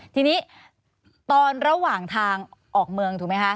ทีนี้ตอนระหว่างทางออกเมืองถูกไหมคะ